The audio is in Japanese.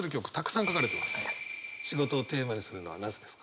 「仕事」をテーマにするのはなぜですか？